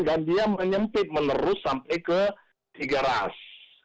dan dia menyempit menerus sampai ke tiga ras